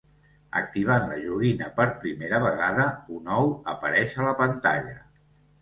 Activant la joguina per primera vegada, un ou apareix a la pantalla.